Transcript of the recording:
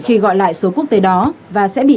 khi gọi lại số quốc tế đó và sẽ bị